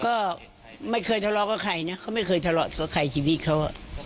ก็ไม่เคยทะเลาะกับใครนะเขาไม่เคยทะเลาะกับใครชีวิตเขา